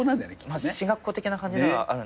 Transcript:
進学校的な感じではあるんですけど。